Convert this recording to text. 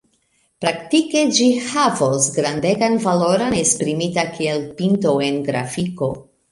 Praktike ĝi havos grandegan valoron esprimita kiel pinto en grafiko.